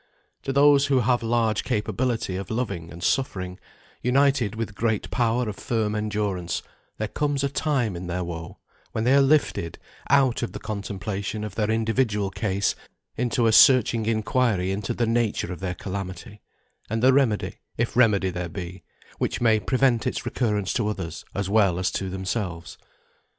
To those who have large capability of loving and suffering, united with great power of firm endurance, there comes a time in their woe, when they are lifted out of the contemplation of their individual case into a searching inquiry into the nature of their calamity, and the remedy (if remedy there be) which may prevent its recurrence to others as well as to themselves.